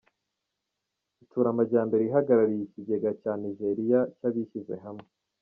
Itsura Amajyambere ihagarariye Ikigega cya Nijeriya cy‟Abishyize hamwe,